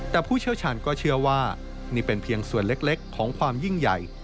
แต่ผู้เชี่ยวชาญก็เชื่อว่านี่เป็นเพียงส่วนเล็กของความยิ่งใหญ่